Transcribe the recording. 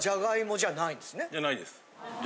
じゃないです。